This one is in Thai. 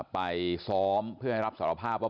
ไปซ้อมเพื่อให้รับสารภาพว่า